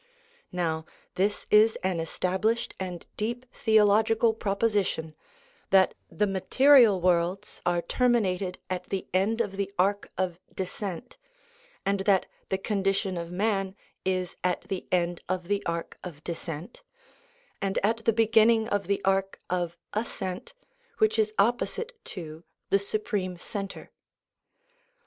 Now, this is an established and deep theo logical proposition, that the material worlds are ter minated at the end of the arc of descent, and that the condition of man is at the end of the arc of descent, and at the beginning of the arc of ascent, which is opposite to the Supreme Centre.